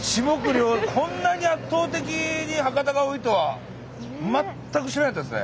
こんなに圧倒的に博多が多いとは全く知らなかったですね。